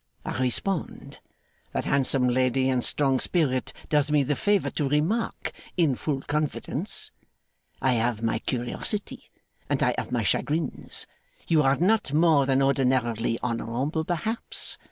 I respond. That handsome lady and strong spirit does me the favour to remark, in full confidence, "I have my curiosity, and I have my chagrins. You are not more than ordinarily honourable, perhaps?"